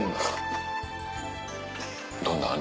どんなん？